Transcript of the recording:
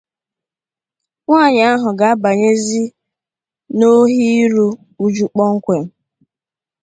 nwaanyị ahụ ga-abànyezị n'ohe iru uju kpọmkwem